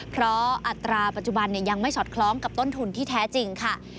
เพราะอัตราปัจจุบันยังไม่สอดคล้องกับต้นทุนที่แท้จริงค่ะ